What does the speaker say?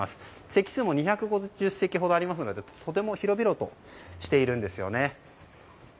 席数も２５０席ほどありますのでとても広々としています。